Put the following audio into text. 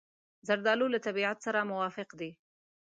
زردالو له طبیعت سره موافق دی.